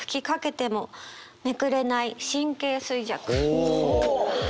お！